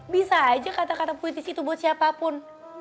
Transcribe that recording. bisa aja kata kata politis itu buat siapapun